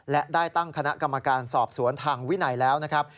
และได้ตั้งคณะกรรมการสอบสวนทางวินัยแล้วนะครับ